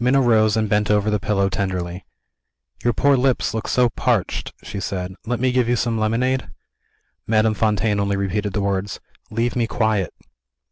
Minna rose and bent over the pillow tenderly. "Your poor lips look so parched," she said; "let me give you some lemonade?" Madame Fontaine only repeated the words, "Leave me quiet."